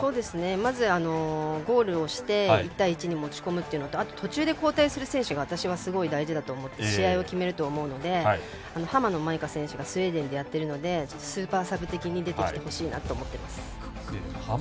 まず、ゴールをして１対１に持ち込むというのとあと途中で交代する選手が私はすごい大事だと思っていて試合を決めると思うので浜野まいか選手がスウェーデンでやってるのでスーパーサブ的に出てきてほしいなと思います。